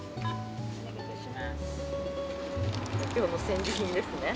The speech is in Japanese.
今日の戦利品ですね。